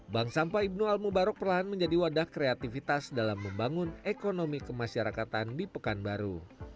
bank sampah ibn al mubarok perlahan menjadi wadah kreativitas dalam membangun ekonomi kemasyarakatan di pekanbaru